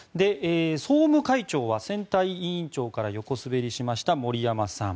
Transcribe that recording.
総務会長は選対委員長から横滑りしました森山さん。